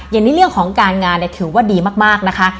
อย่างในเรื่องของการงานเนี่ยถือว่าดีมากนะคะ